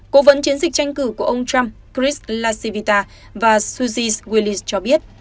cố vấn chiến dịch tranh cử của ông trump chris lasivita và susie willis cho biết